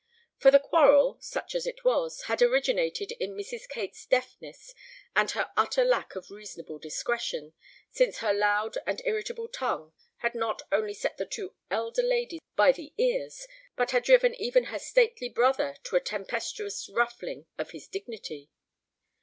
For the quarrel, such as it was, had originated in Mrs. Kate's deafness and her utter lack of reasonable discretion, since her loud and irritable tongue had not only set the two elder ladies by the ears, but had driven even her stately brother to a tempestuous ruffling of his dignity.